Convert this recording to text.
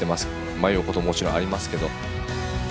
迷うことももちろんありますけど。